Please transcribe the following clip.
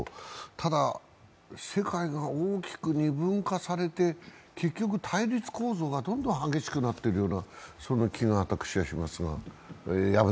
ただ、世界が大きく二分化されて、結局、対立構造がどんどん激しくなっているような気が私はしますが。